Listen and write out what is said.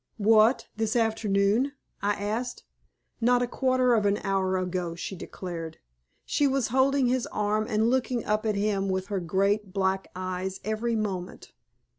"What! this afternoon?" I asked. "Not a quarter of an hour ago," she declared. "She was holding his arm, and looking up at him with her great black eyes every moment.